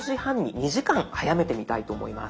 ２時間早めてみたいと思います。